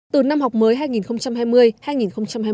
từ năm học mới hai nghìn hai mươi hai nghìn hai mươi một